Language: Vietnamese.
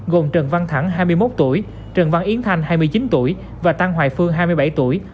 gồm trần văn thẳng hai mươi một tuổi trần văn yến thanh hai mươi chín tuổi và tăng hoài phương hai mươi bảy tuổi